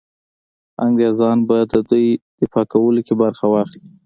انګرېزان به د دوی دفاع کولو کې برخه واخلي.